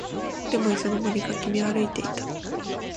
でもいつの間にか君は歩いていた